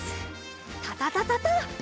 タタタタタッ！